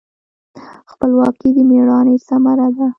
خپلواکي د میړانې ثمره ده.